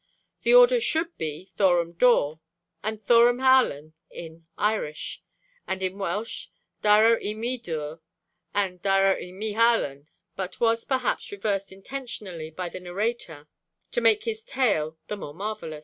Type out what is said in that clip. The order should be thorum dor, and thorum halen in Irish, and in Welsh dyro i mi ddwr, and dyro i mi halen, but was, perhaps, reversed intentionally by the narrator, to make his tale the more marvellous.'